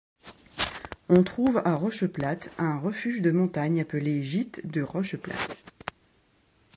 On trouve à Roche Plate un refuge de montagne appelé gîte de Roche Plate.